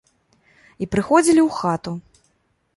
І праходзілі ў хату.